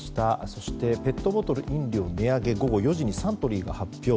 そしてペットボトル飲料値上げ午後４時にサントリーが発表。